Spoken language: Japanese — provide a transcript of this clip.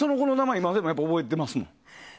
今でも覚えてますもん。